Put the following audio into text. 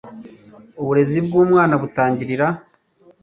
uburezi bw'umwana butangirira